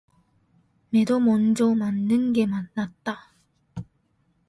매도 먼저 맞는 게 낫다